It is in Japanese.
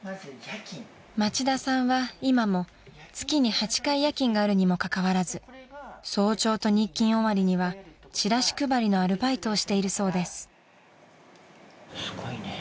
［町田さんは今も月に８回夜勤があるにもかかわらず早朝と日勤終わりにはチラシ配りのアルバイトをしているそうです］